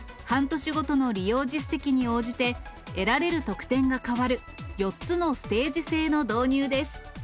半年ごとの利用実績に応じて得られる特典が変わる、４つのステージ制の導入です。